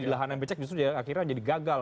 di lahanan becek justru akhirnya jadi gagal